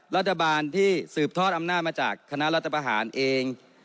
รัฐบาลที่สืบทอดอำนาจมาจากคณะรัฐประหารเอง